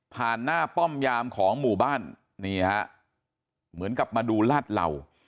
หน้าป้อมยามของหมู่บ้านนี่ฮะเหมือนกับมาดูลาดเหล่า